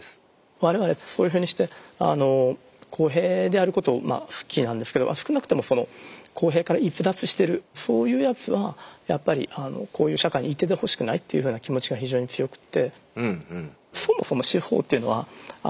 我々そういうふうにして公平であること好きなんですけど少なくとも公平から逸脱してるそういうやつはやっぱりこういう社会にいててほしくないっていうふうな気持ちが非常に強くって。